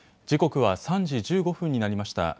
時刻は３時１５分になりました。